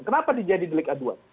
kenapa dia jadi delik aduan